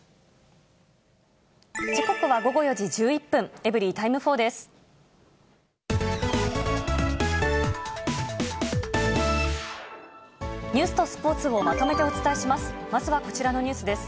時刻は午後４時１１分、エブリィタイム４です。